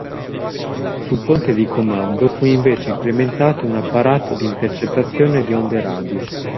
Sul ponte di comando fu invece implementato un apparato di intercettazione di onde radio.